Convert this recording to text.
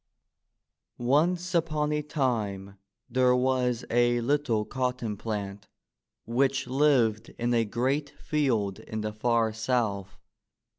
Once upon a time, there was a little cotton plant which lived in a great field in the far South.